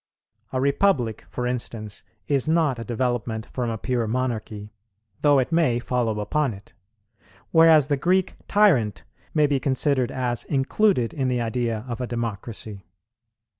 A republic, for instance, is not a development from a pure monarchy, though it may follow upon it; whereas the Greek "tyrant" may be considered as included in the idea of a democracy.